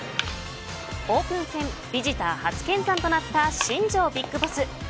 オープン戦ビジター初見参となった新庄ＢＩＧＢＯＳＳ。